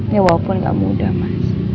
ya walaupun gak mudah mas